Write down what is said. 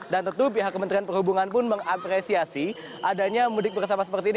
dan tentu pihak kementerian perhubungan pun mengapresiasi adanya mudik bersama seperti ini